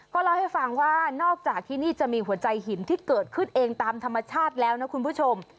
เล่าให้ฟังว่านอกจากที่นี่จะมีหัวใจหินที่เกิดขึ้นเองตามธรรมชาติแล้วนะคุณผู้ชม